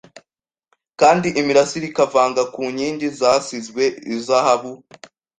kandi imirasire ikava ku nkingi zasizwe izahabu